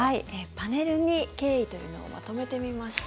パネルに経緯というのをまとめてみました。